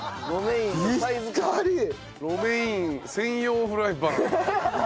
ロメイン専用フライパン。